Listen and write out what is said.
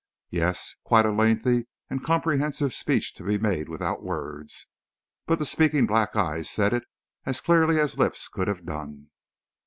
Yes, quite a lengthy and comprehensive speech to be made without words, but the speaking black eyes said it as clearly as lips could have done.